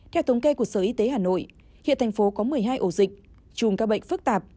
theo thống kê của sở y tế hà nội hiện thành phố có một mươi hai ổ dịch chùm các bệnh phức tạp